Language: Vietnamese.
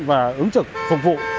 và ứng trực phục vụ